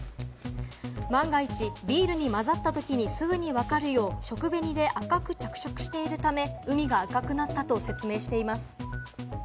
万が一、ビールに混ざったときに、すぐに分かるよう、食紅で赤く着色しているため、海が赤くなったと説明しています。